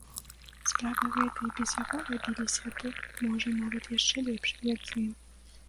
Справы гэтыя і без яго рабіліся б, можа, нават яшчэ лепш, як з ім.